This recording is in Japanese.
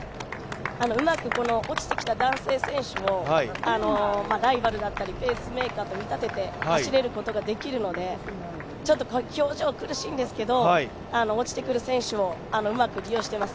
うまく落ちてきた男性選手をライバルだったりペースメーカーと見立てて走れることができるのでちょっと表情苦しいんですけど落ちてくる選手をうまく利用しています。